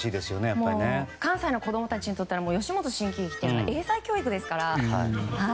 関西の子供たちにとったら吉本新喜劇といったら英才教育ですから。